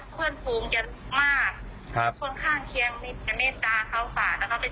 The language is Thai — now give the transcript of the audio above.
แค่ศิลภาพไม่เท่าไหร่จะเอาชีวิตไว้เกี่ยวกันไหม